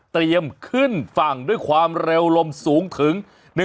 ขึ้นฝั่งด้วยความเร็วลมสูงถึง